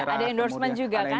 ada endorsement juga kan